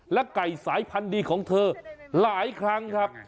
และไก่สายพันธุ์ดีของเธอหลายครั้งครับ